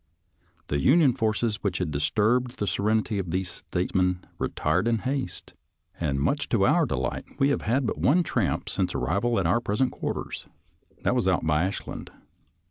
The Union forces which had disturbed the serenity of these states men retired in haste, and much to our delight we have had but one tramp since arrival at our present quarters. That was out to Ashland.